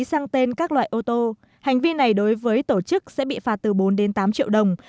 sang tên các loại ô tô hành vi này đối với tổ chức sẽ bị phạt từ bốn đến tám triệu đồng